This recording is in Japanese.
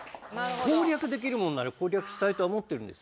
攻略できるものなら攻略したいとは思ってるんですよ。